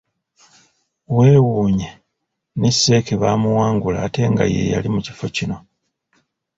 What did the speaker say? Wewuunye ne CEC bamuwangula ate nga ye yali mu kifo kino.